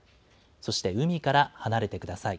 そして、海から離れてください。